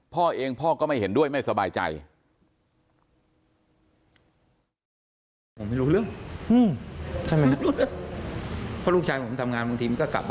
พ่อเองพ่อก็ไม่เห็นด้วยไม่สบายใจ